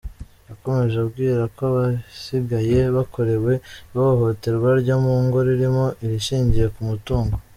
Yakomeje ababwira ko abasigaye bakorewe ihohoterwa ryo mu ngo ririmo irishingiye ku mutungo.